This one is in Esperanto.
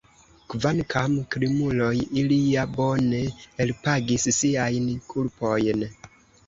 Kvankam krimuloj, ili ja bone elpagis siajn kulpojn!